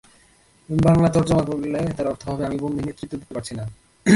বাংলা তরজমা করলে তার অর্থ হবে—আমি বন্দী, নেতৃত্ব দিতে পারছি না।